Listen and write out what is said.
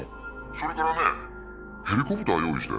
「それからねヘリコプター用意して」